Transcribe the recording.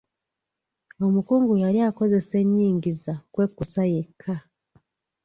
Omukungu yali akozesa enyingiza kwe kkusa yekka.